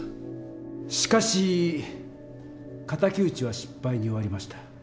しかし敵討ちは失敗に終わりました。